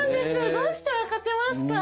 どうしたら勝てますか？